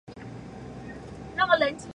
阮福澜。